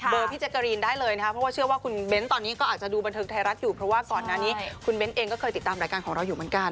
พี่แจ๊กกะรีนได้เลยนะครับเพราะว่าเชื่อว่าคุณเบ้นตอนนี้ก็อาจจะดูบันเทิงไทยรัฐอยู่เพราะว่าก่อนหน้านี้คุณเบ้นเองก็เคยติดตามรายการของเราอยู่เหมือนกัน